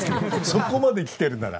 そこまできてるなら。